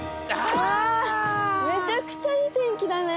わめちゃくちゃいいてんきだね。